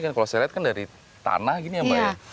kalau saya lihat kan dari tanah gini ya mbak